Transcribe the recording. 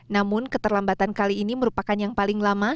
namun keterlambatan kali ini merupakan yang paling lama